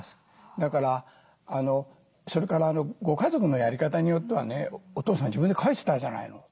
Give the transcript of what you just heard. だからそれからご家族のやり方によってはね「お父さん自分で書いてたじゃないの。